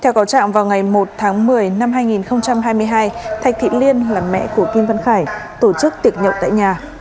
theo cáo trạng vào ngày một tháng một mươi năm hai nghìn hai mươi hai thạch thị liên là mẹ của kim văn khải tổ chức tiệc nhậu tại nhà